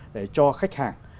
để cho khách hàng